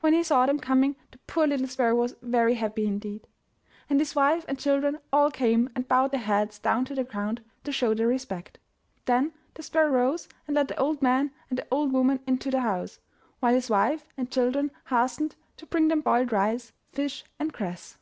When he saw them coming the poor little sparrow 64 UP ONE PAIR OF STAIRS was very happy indeed. He and his wife and children all came and bowed their heads down to the ground to show their respect. Then the sparrow rose and led the old man and the old woman into the house, while his wife and children hastened to bring them boiled rice, fish, and cress.